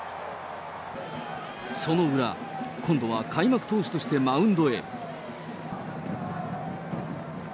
その裏、今度は開幕投手としてマウンドへ。